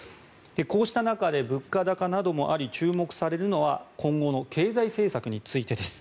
こうした中で物価高などもあり注目されるのは今後の経済政策についてです。